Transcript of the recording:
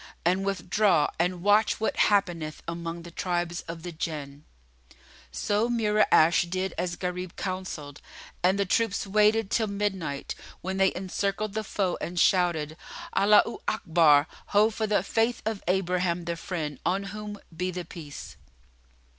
and withdraw and watch what happeneth among the tribes of the Jinn." So Mura'ash did as Gharib counselled and the troops waited till midnight, when they encircled the foe and shouted "Allaho Akbar! Ho for the Faith of Abraham the Friend, on whom be the Peace!"